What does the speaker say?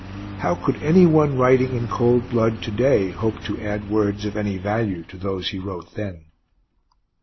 How could any one writing in cold blood, to day, hope to add words of any value to those he wrote then?